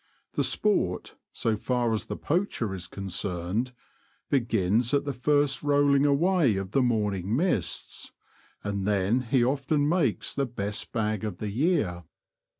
The sport, so far as the poacher is concerned, begins at the first rolling away of the morning mists ; and then he often makes the best bag of the year.